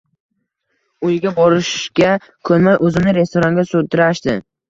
Uyga borishga ko‘nmay, o‘zimni restoranga sudrashdi.